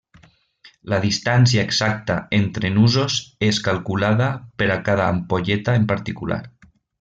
La distància exacta entre nusos es calculava per a cada ampolleta en particular.